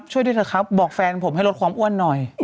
น้ำชาชีวนัทครับผมโพสต์ขอโทษทำเข้าใจผิดหวังคำเวพรเป็นจริงนะครับ